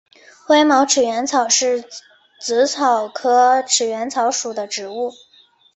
灰毛齿缘草是紫草科齿缘草属的植物。